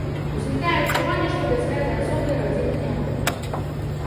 Узнікае адчуванне, што без гэтай асобы і радзімы няма.